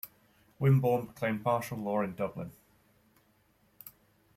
Wimborne proclaimed martial law in Dublin.